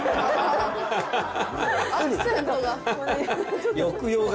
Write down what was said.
アクセントが。